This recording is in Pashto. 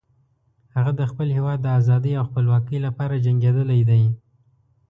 هغه د خپل هیواد د آزادۍ او خپلواکۍ لپاره جنګیدلی ده